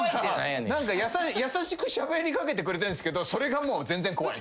優しくしゃべりかけてくれてんすけどそれがもう全然怖い。